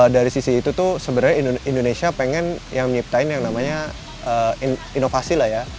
dari sisi itu tuh sebenarnya indonesia pengen yang nyiptain yang namanya inovasi lah ya